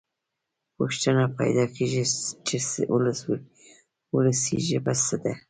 پوښتنه پیدا کېږي چې وولسي ژبه څه ده.